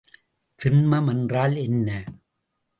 திண்மம் என்றால் என்ன?